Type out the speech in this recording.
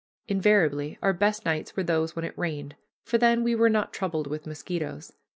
Invariably our best nights were those when it rained, for then we were not troubled with mosquitoes.